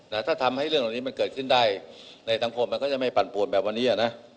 แต่ถ้าทำให้เรื่องเหล่านี้มันเกิดขึ้นได้ในสังคมมันก็จะไม่ปั่นปวดแบบวันนี้อ่ะนะ